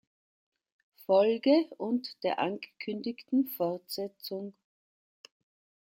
Folge und der angekündigten Fortsetzung.